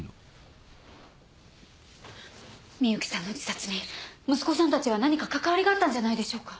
深雪さんの自殺に息子さんたちが何か関わりがあったんじゃないでしょうか。